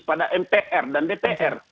kepada mpr dan dpr